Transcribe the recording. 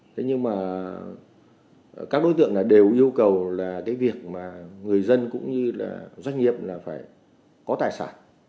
thế nhưng mà các đối tượng này đều yêu cầu là cái việc mà người dân cũng như là doanh nghiệp là phải có tài sản